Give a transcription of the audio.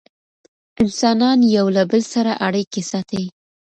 انسانان یو له بل سره اړیکې ساتي.